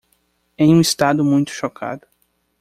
Em um estado muito chocado